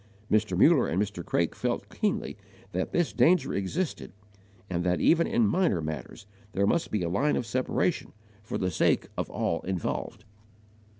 Mr. Muller and Mr. Craik felt keenly that this danger existed and that even in minor matters there must be a line of separation, for the sake of all involved.